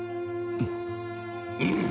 うん。